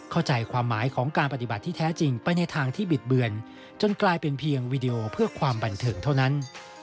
เข้าใจความหมายของการปฏิบัติที่แท้จริงไปในทางที่บิดเบือนจนกลายเป็นเพียงวีดีโอเพื่อความบันเทิงเท่านั้น